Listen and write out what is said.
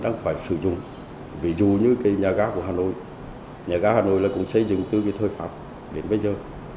nhà gác hà nội cũng xây dựng từ thời pháp đến bây giờ